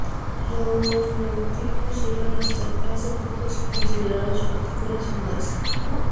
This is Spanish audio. Los neutrinos eran, hasta hace poco, considerados partículas sin masa.